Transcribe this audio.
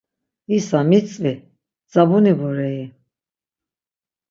İsa mitzvi, zabuni bore-i!